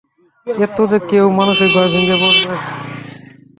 এতে যে কেউই মানসিকভাবে ভেঙে পড়বে।